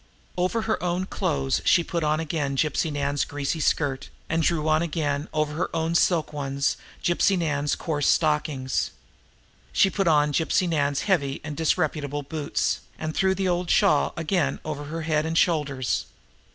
Over her own clothes she put on again Gypsy Nan's greasy skirt, and drew on again, over her own silk ones, Gypsy Nan's coarse stockings. She put on Gypsy Nan's heavy and disreputable boots, and threw the old shawl again over her head and shoulders.